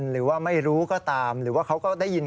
หรือว่าไม่รู้ก็ตามหรือว่าเขาก็ได้ยิน